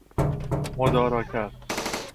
مدارا کرد